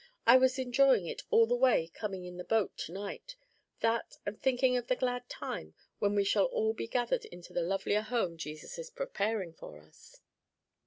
I was enjoying it all the way coming in the boat to night; that and thinking of the glad time when we shall all be gathered into the lovelier home Jesus is preparing for us."